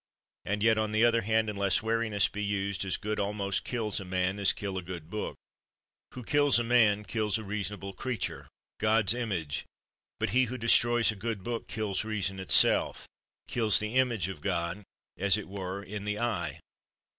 And yet, on the other hand, unless wariness be used, as good almost kill a man as kill a good book. Who kills a man kills a reasonable creature, God 's image ; but he who destroys a good book, kills reason itself, kills the image of God, as it were, in the eye.